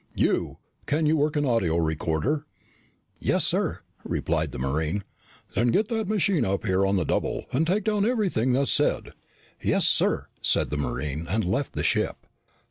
"You! Can you work an audio recorder?" "Yes, sir," replied the Marine. "Then get a machine up here on the double and take down everything that's said." "Yes, sir," said the Marine and left the ship.